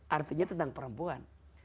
artinya tentang perempuan